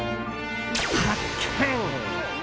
発見！